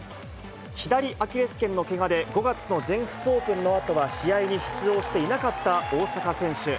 左アキレスけんのけがで５月の全仏オープンのあとは試合に出場していなかった大坂選手。